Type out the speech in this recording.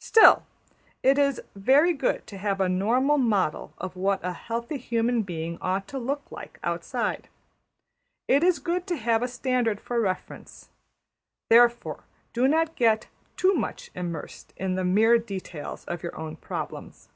Still, it is very good to have a normal model of what a healthy human being ought to look like outside. It is good to have a standard for reference. Therefore do not get too much immersed in the mere details of your own problems.